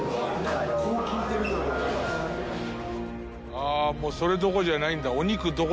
ああもうそれどころじゃないんだ。